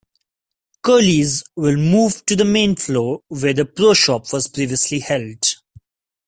Curly's will move to the main floor where the Pro Shop was previously held.